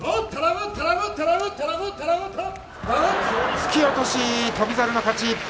突き落とし、翔猿の勝ち。